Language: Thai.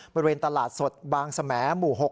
บริเวณตลาดสดบางสมหมู่๖